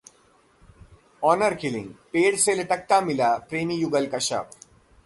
Honour killing! पेड़ से लटकता मिला प्रेमी युगल का शव